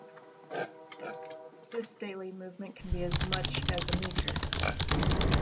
This daily movement can be as much as a metre.